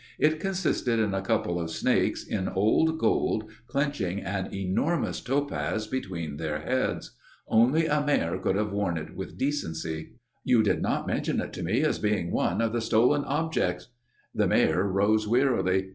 It consisted in a couple of snakes in old gold clenching an enormous topaz between their heads. Only a Mayor could have worn it with decency. "You did not tell me, Fernand," rasped the old lady. "You did not mention it to me as being one of the stolen objects." The Mayor rose wearily.